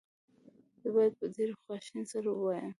زه باید په ډېرې خواشینۍ سره ووایم.